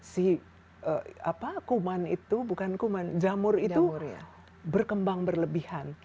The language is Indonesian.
si kuman itu bukan kuman jamur itu berkembang berlebihan